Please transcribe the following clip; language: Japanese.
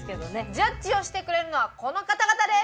ジャッジをしてくれるのはこの方々です！